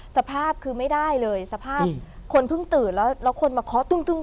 สภาพคือไม่ได้เลยสภาพคนเพิ่งตื่นแล้วแล้วคนมาเคาะตึ้ง